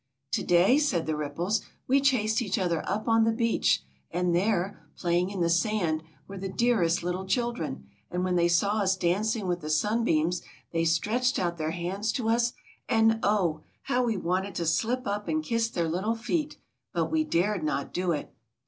"To day," said the ripples, "we chased each other up on the beach, and there, playing in the sand, were the dearest little children; and when they saw us danc ing with the sunbeams, they stretched out their hands to us, and oh! how we wanted to slip up and kiss their little feet! but we dared not do it."